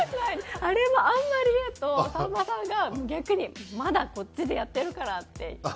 あれもあんまり言うとさんまさんが逆に「まだこっちでやってるから」って言うんですよ